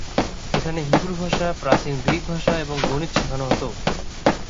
এখানে হিব্রু ভাষা, প্রাচীন গ্রিক ভাষা এবং গণিত শেখানো হত।